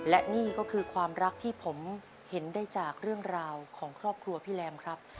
และนี่ก็คือความรักที่ผมเห็นได้จากเรื่องราวของครอบครัวพี่แรมครับ